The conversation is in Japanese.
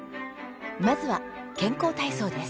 まずは健康体操です。